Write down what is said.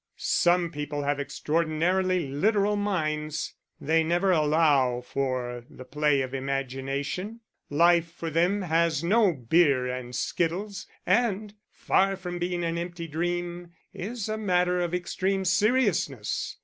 Some people have extraordinarily literal minds, they never allow for the play of imagination: life for them has no beer and skittles, and, far from being an empty dream, is a matter of extreme seriousness.